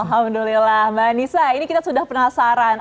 alhamdulillah mbak anissa ini kita sudah penasaran